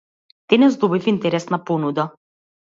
Денес добив интересна понуда.